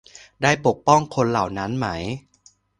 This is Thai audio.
ได้ปกป้องคนเหล่านั้นไหม